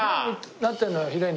なってるのよヒレに。